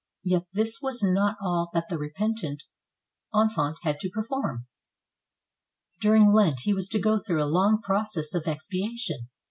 Yet this was not all that the repentant infante had to perform. During Lent he was to go through a long process of expiation.